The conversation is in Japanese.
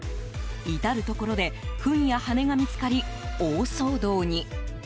至るところでフンや羽が見つかり大騒動に。